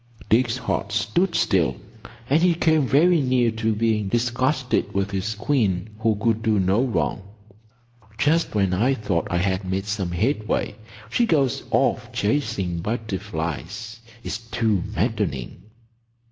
Dick's heart stood still, and he came very near to being disgusted with his queen who could do no wrong. "Just when I thought I had made some headway, she goes off chasing butterflies. It's too maddening!"